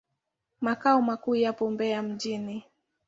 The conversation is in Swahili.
Makao makuu yapo Mbeya mjini.